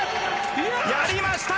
やりました！